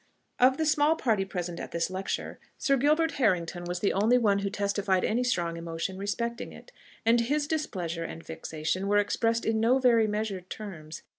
Of the small party present at this lecture, Sir Gilbert Harrington was the only one who testified any strong emotion respecting it; and his displeasure and vexation were expressed in no very measured terms.